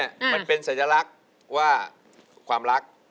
มันเป็นสัญลักษณ์ว่าความรัก